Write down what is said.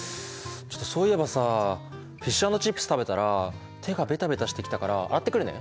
そういえばさフィッシュ＆チップス食べたら手がベタベタしてきたから洗ってくるね。